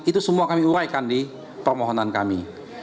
itu semua kami uraikan di permohonan kami